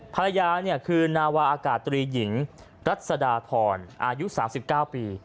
ภรรยาคือนาวาอากาศตรีหญิงรัศดาธรอายุ๓๙ปี